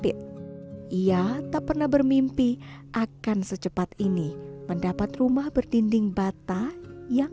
itu yang jadi masalah fair plan bi dunia rpg berikut bentuk sekarang